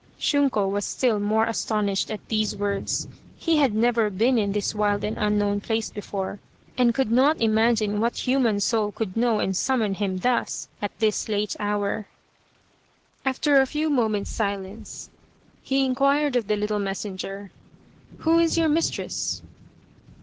Shunko was still more astonished at these words. He had never been in this wild and unknown place before, and could not imagine what human soul 244 A Cherry Flower Idyll could know and summon him thus, at this late hour. After a few moment's silence he inquired of the little messenger, " Who is your mistress